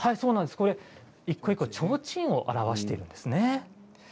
一個一個、ちょうちんを表しているんですね。